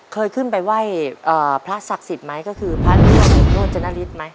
เคยขึ้นไปไหว่เอ่อพระศักดิ์สิทธิ์ไหมก็คือพระนิยาวิทย์โน้นเจนาฤทธิ์ไหม